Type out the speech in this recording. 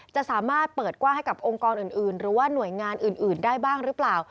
จะสามารถเปิดกว้างให้กับองค์กรอื่นหรือว่าหน่วยงานอื่นได้บ้างหรือเปล่า